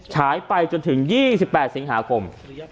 ฉายไปจนถึง๒๘สิงหาคม